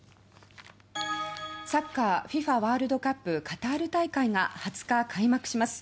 サッカーＦＩＦＡワールドカップカタール大会が２０日開幕します。